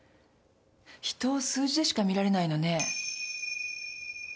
人を数字でしか見られないのね。